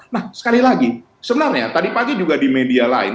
nah sekali lagi sebenarnya tadi pagi juga di media lain